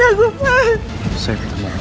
jangan sentuh aku aku bilang